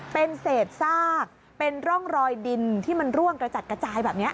เป็นเศษซากเป็นร่องรอยดินที่มันร่วงกระจัดกระจายแบบนี้